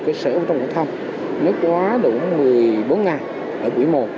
cơ sở trung học phòng nếu quá đủ một mươi bốn ngày ở quỹ một